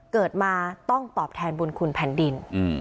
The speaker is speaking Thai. เกิดมาต้องตอบแทนบุญคุณแผ่นดิน